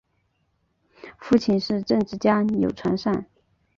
父亲是政治家钮传善。